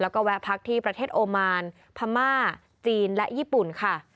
แล้วก็แวะพักที่ประเทศโอมานพม่าจีนและญี่ปุ่นค่ะ